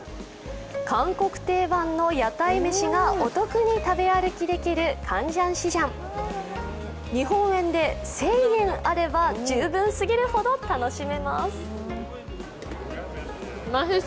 韓国定番の屋台メシがお得に食べ歩きできるクァンジャンシジャン日本円で１０００円あれば十分すぎるほど楽しめます。